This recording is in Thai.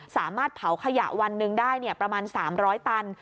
สามารถเผาขยะวันหนึ่งได้ประมาณ๓๐๐ตัน